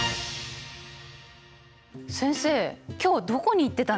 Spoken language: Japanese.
先生今日はどこに行ってたんですか？